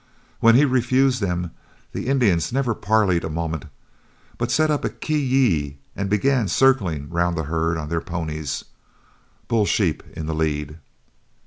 When he refused them, the Indians never parleyed a moment, but set up a 'ki yi' and began circling round the herd on their ponies, Bull Sheep in the lead.